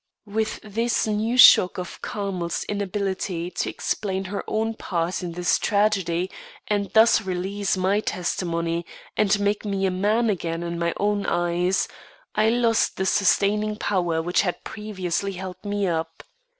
With this new shock of Carmel's inability to explain her own part in this tragedy and thus release my testimony and make me a man again in my own eyes, I lost the sustaining power which had previously held me up.